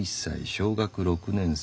小学六年生。